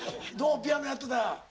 ピアノやってた。